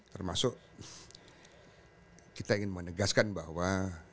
termasuk kita ingin menegaskan bahwa